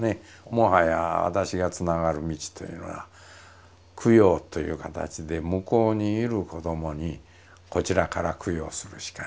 もはや私がつながる道というのは供養という形で向こうにいる子どもにこちらから供養するしかない。